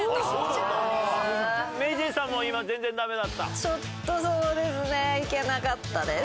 ちょっとそうですねいけなかったです。